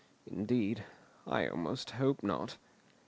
Indeed, I almost hope not."